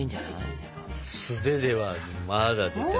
素手ではまだ絶対無理。